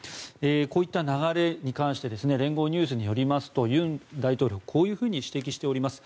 こういった流れに関して聯合ニュースによりますと尹大統領は、こういうふうに指摘しております。